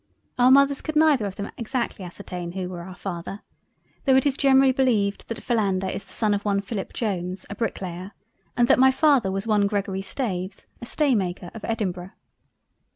Our mothers could neither of them exactly ascertain who were our Father, though it is generally beleived that Philander, is the son of one Philip Jones a Bricklayer and that my Father was one Gregory Staves a Staymaker of Edinburgh.